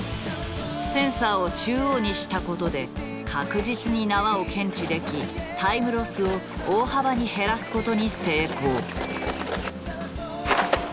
センサーを中央にしたことで確実に縄を検知できタイムロスを大幅に減らすことに成功。